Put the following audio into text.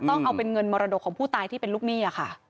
ต้องเอาเป็นเงินมรดกของผู้ตายที่เป็นลูกหนี้ค่ะ